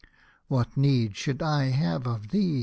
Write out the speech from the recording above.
" What need should I have of thee